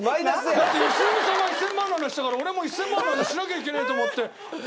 だって良純さんが１０００万の話したから俺も１０００万の話しなきゃいけないと思って。